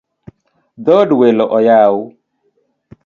Dhood welo oyaw